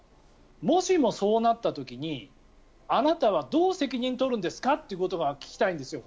もしもそうなった時にあなたはどう責任を取るんですかってことを本当に聞きたいんですよ。